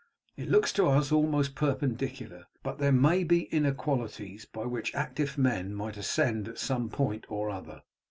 It looks to us almost perpendicular, but there may be inequalities by which active men might ascend at some point or other.